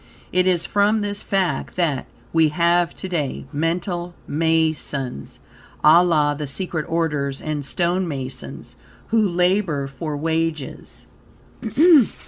It is from this fact, that, we have to day Mental Masons, a la the secret orders, and stone masons, who labor for wages.